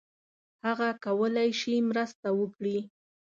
هغه کولای شي مرسته وکړي.